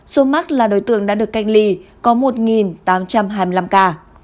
số mắc là đối tượng đã được cách ly có một tám trăm hai mươi năm ca